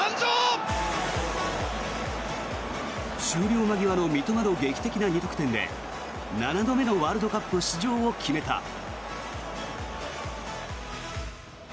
終了間際の三笘の劇的な２得点で７度目のワールドカップ出場を決めた。